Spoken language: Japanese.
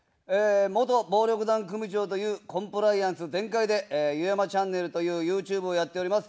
元暴力団組長というコンプライアンス全開で、ゆやまチャンネルというＹｏｕＴｕｂｅをやっております。